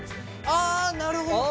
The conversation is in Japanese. あなるほど！